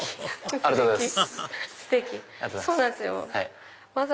ありがとうございます。